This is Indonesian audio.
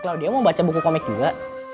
kalau dia mau baca buku komik juga